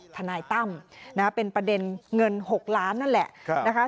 ทนายตั้มเป็นประเด็นเงิน๖ล้านนั่นแหละนะคะ